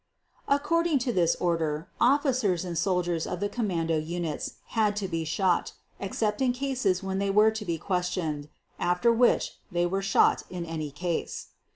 According to this order officers and soldiers of the "commando" units had to be shot, except in cases when they were to be questioned, after which they were shot in any case.